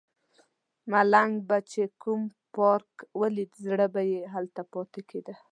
ملنګ به چې کوم پارک ولیده زړه به یې هلته پاتې کیده.